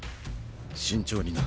慎重にな。